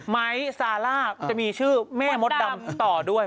ไม้ซาร่าจะมีชื่อแม่มดดำต่อด้วย